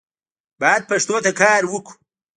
باید پښتو ته کار وکړو